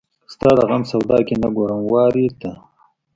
ستا د غم سودا کې نه ګورم وارې ته